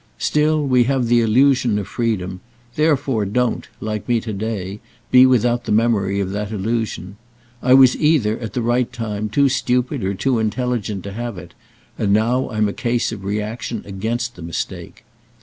Still, we have the illusion of freedom; therefore don't, like me to day, be without the memory of that illusion. I was either, at the right time, too stupid or too intelligent to have it, and now I'm a case of reaction against the mistake.